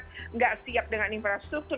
tidak siap dengan infrastruktur